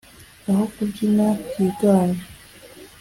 aho kubyina byiganje.